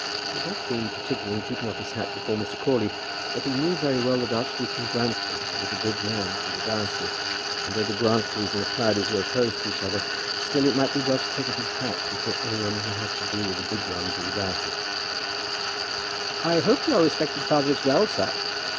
He had not been particular in keeping off his hat before Mr. Crawley. But he knew very well that Archdeacon Grantly was a big man in the diocese; and though the Grantlys and the Proudies were opposed to each other, still it might be well to take off his hat before any one who had to do with the big ones of the diocese. "I hope your respected father is well, sir?"